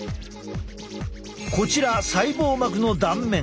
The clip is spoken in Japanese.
こちら細胞膜の断面。